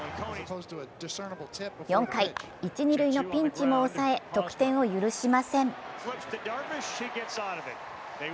４回、一・二塁のピンチも抑え得点も許しません。